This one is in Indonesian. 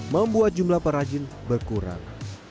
membuat jumlah para jin berkurang